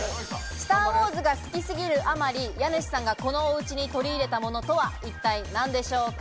『スター・ウォーズ』が好き過ぎるあまり、家主さんが、この家に取り入れたものとは一体何でしょうか？